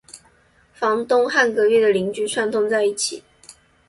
房东和隔壁的邻居串通在一起